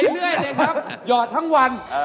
หยอดทั้งวัน